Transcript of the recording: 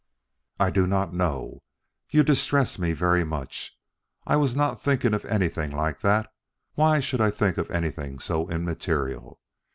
"I do not know. You distress me very much. I was not thinking of anything like that. Why should I think of anything so immaterial.